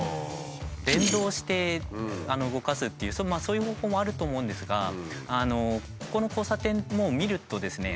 連動して動かすっていうそういう方法もあると思うんですがここの交差点見るとですね